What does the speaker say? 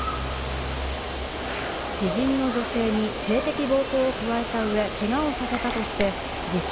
知人の女性に性的暴行を加えた上、けがをさせたとして、自称